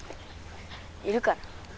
いるかな。